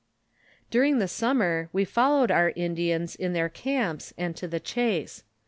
During the summer, we followed our Indians in their camps, and to the chase.